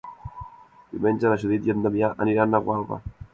Diumenge na Judit i en Damià aniran a Gualba.